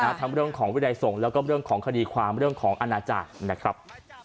ทั้งเรื่องของวินัยสงฆ์แล้วก็เรื่องของคดีความเรื่องของอาณาจารย์นะครับ